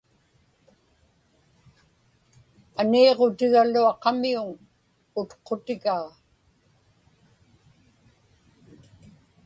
Aniiġutigaluaqamiuŋ utqutigaa.